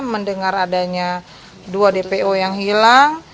mendengar adanya dua dpo yang hilang